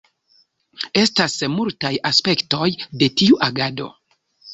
Estas multaj aspektoj de tiu agado.